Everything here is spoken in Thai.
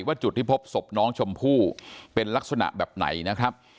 จุดที่พบศพน้องชมพู่เป็นลักษณะแบบไหนนะครับ